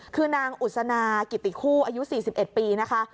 คือนางอุศนากิติคู่อายุ๔๑ปีนะคะ